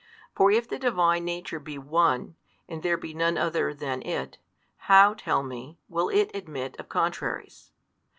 For if the Divine Nature be One, and there be none other than It, how, tell me, will It admit of contraries?